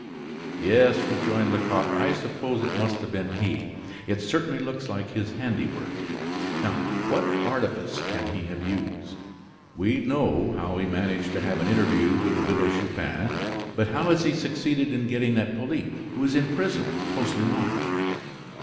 "Yes," rejoined Lecoq, "I suppose it must have been he. It certainly looks like his handiwork now, what artifice can he have used? We know how he managed to have an interview with the Widow Chupin, but how has he succeeded in getting at Polyte, who is in prison, closely watched?"